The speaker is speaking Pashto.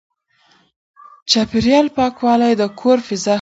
چاپېريال پاکوالی د کور فضا ښه کوي.